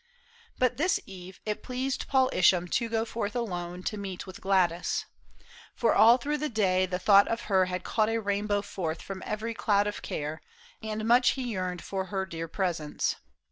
But this eve It pleased Paul Isham to go forth alone To meet with Gladys. For all through the day The thought of her had called a rainbow forth From every cloud of care, and much he yearned For her dear presence.